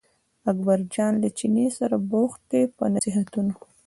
اکبرجان له چیني سره بوخت دی په نصیحتونو.